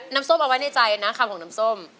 น้ำส้มเอาไว้ในใจนะคำของน้ำส้ม